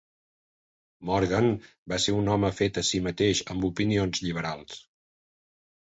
Morgan va ser un home fet a si mateix amb opinions lliberals.